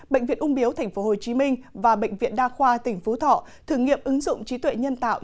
bệnh viện ung biếu tp hcm và bệnh viện đa khoa tỉnh phú thọ thử nghiệm ứng dụng trí tuệ nhân tạo